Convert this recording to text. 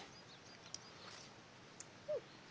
うん。